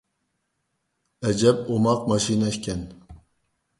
ئەجەب ئوماق ماشىنا ئىكەن.